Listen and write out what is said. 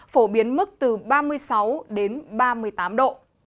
phổ biến mức từ ba mươi sáu đến ba mươi tám độ